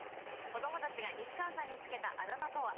子どもたちが西川さんに付けたあだ名とは？